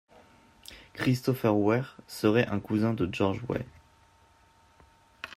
Christopher Wreh serait un cousin de George Weah.